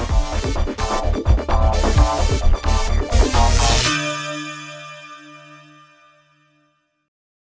โปรดติดตามตอนต่อไป